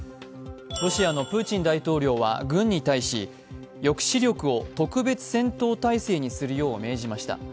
ロシアのプーチン大統領は軍に対し抑止力を特別戦闘態勢にするよう命じました。